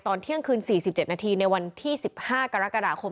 เที่ยงคืน๔๗นาทีในวันที่๑๕กรกฎาคม